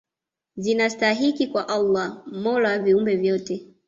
zinastahiki kwa Allah mola wa viumbe vyote